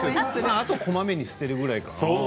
あとはこまめに捨てることしか。